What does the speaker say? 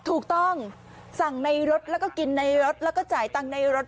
ถูกต้องสั่งในรถแล้วก็กินในรถแล้วก็จ่ายตังค์ในรถ